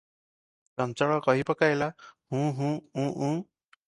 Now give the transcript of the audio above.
ଚଞ୍ଚଳ କହି ପକାଇଲା, ହୁଁ -ହୁଁ -ଉଁ -ଉଁ ।"